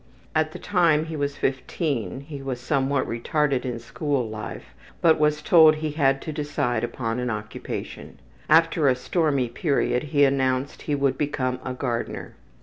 At the time he was 15, he was somewhat retarded in school life, but was told he had to decide upon an occupation. After a stormy period he announced he would become a gardener.